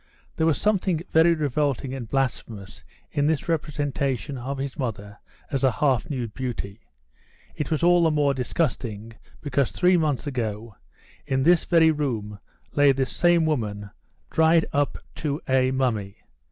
There was something very revolting and blasphemous in this representation of his mother as a half nude beauty. It was all the more disgusting because three months ago, in this very room, lay this same woman, dried up to a mummy.